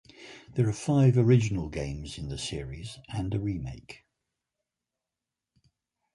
There are five original games in the series, and a remake.